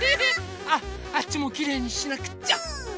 あっあっちもきれいにしなくっちゃ！